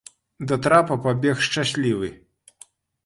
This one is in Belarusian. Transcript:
Да трапа пабег шчаслівы.